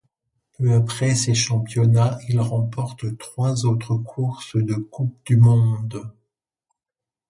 Peu après ces championnats, il remporte trois autres courses de Coupe du monde.